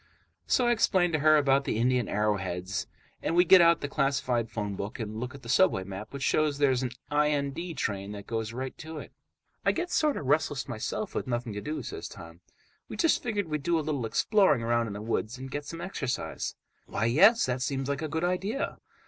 So I explain to her about the Indian arrowheads, and we get out the classified phone book and look at the subway map, which shows there's an IND train that goes right to it. "I get sort of restless myself, with nothing to do," says Tom. "We just figured we'd do a little exploring around in the woods and get some exercise." "Why, yes, that seems like a good idea."